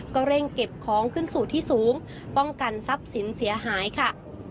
ก็เร่งเก็บของขึ้นสู่ที่สูงป้องกันทรัพย์สินเสียหายค่ะ